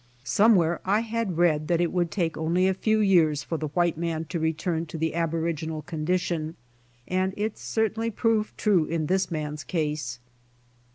Somewhere I had read that it would take only a few years for the white man to return to the aboriginal condition, and it certainly proved true in this man's case.